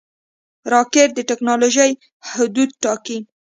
راکټ د ټېکنالوژۍ حدونه ټاکي